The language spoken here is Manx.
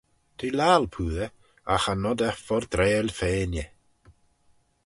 T'eh laccal poosey agh cha nod eh fordrail fainey.